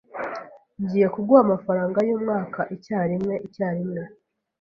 Ngiye kuguha amafaranga yumwaka icyarimwe icyarimwe.